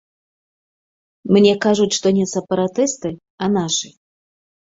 Мне кажуць, што не сепаратысты, а нашы.